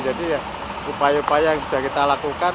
jadi upaya upaya yang sudah kita lakukan